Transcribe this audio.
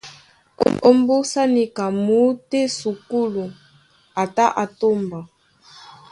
Ómbúsá níka muútú á esukúlu a tá á tómba.